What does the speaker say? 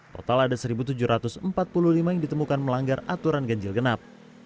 total ada satu tujuh ratus empat puluh lima yang ditemukan melanggar aturan ganjil genap